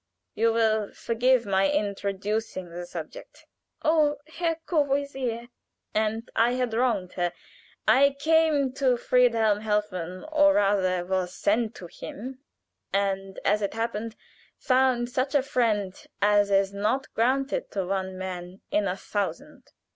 "You will forgive my introducing the subject?" "Oh, Herr Courvoisier!" "And I had wronged her. I came to Friedhelm Helfen, or rather was sent to him, and, as it happened, found such a friend as is not granted to one man in a thousand.